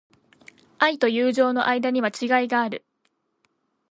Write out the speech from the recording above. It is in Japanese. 愛と友情の間には違いがある。